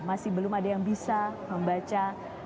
masih belum ada yang bisa membaca